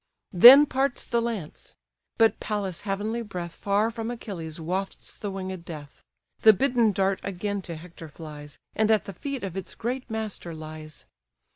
Then parts the lance: but Pallas' heavenly breath Far from Achilles wafts the winged death: The bidden dart again to Hector flies, And at the feet of its great master lies.